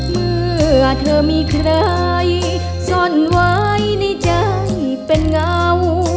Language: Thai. เมื่อเธอมีใครซ่อนไว้ในใจเป็นเงา